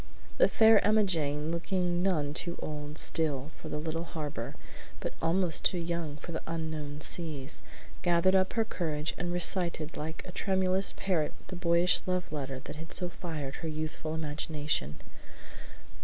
The Fair Emmajane, looking none too old still for the "little harbor," but almost too young for the "unknown seas," gathered up her courage and recited like a tremulous parrot the boyish love letter that had so fired her youthful imagination.